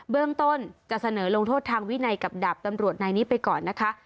เรื่องต้นจะเสนอลงโทษทางวินัยกับดาบตำรวจนายนี้ไปก่อนนะคะ